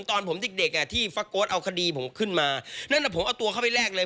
ตอนผมเด็กเด็กอ่ะที่ฟักโก๊สเอาคดีผมขึ้นมานั่นน่ะผมเอาตัวเข้าไปแลกเลย